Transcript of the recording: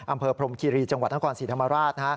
พรมคีรีจังหวัดนครศรีธรรมราช